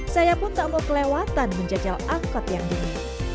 saya pun tak mau kelewatan menjajal angkut yang dini